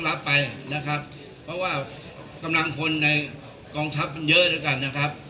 รับไปนะครับเพราะว่ากำลังพลในกองทัพมันเยอะด้วยกันนะครับ